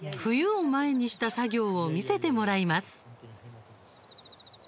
冬を前にした作業を見せてもらいます。